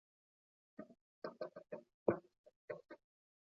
联赛球队是指在足球联赛中在各组别中的参赛球队。